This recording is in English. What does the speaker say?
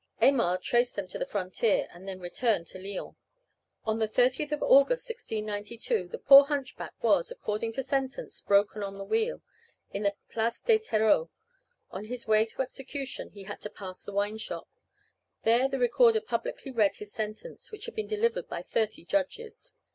Aymar traced them to the frontier, and then returned to Lyons. On the 30th of August, 1692, the poor hunchback was, according to sentence, broken on the wheel, in the Place des Terreaux. On his way to execution he had to pass the wine shop. There the recorder publicly read his sentence, which had been delivered by thirty judges.